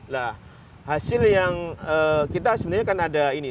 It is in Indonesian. nah hasil yang kita sebenarnya kan ada ini